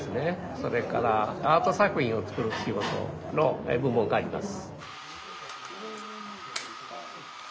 それからアート作品を作る仕事の部門があります。